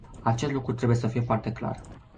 Acest lucru trebuie să fie foarte clar.